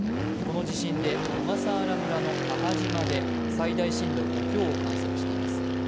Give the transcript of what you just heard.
この地震で小笠原村の母島で最大震度５強を観測しています。